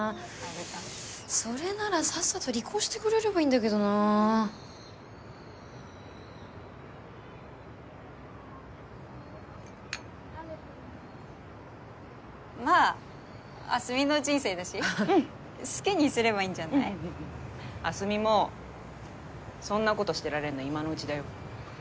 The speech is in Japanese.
それならさっさと離婚してくれればいいんだけどなまぁ明日美の人生だし好きにすればいいんじゃない明日美もそんなことしてられんの今のうちだよ